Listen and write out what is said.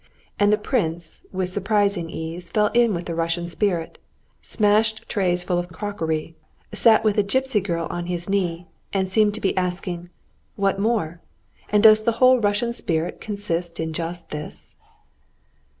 And the prince with surprising ease fell in with the Russian spirit, smashed trays full of crockery, sat with a gypsy girl on his knee, and seemed to be asking—what more, and does the whole Russian spirit consist in just this?